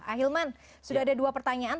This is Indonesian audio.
ahilman sudah ada dua pertanyaan